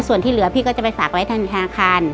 ส่วนที่เหลือพี่ก็จะไปฝากไว้ทางธนาคาร